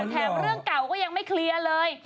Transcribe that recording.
เรื่องเก่าก็ยังไม่เคลียร์เลย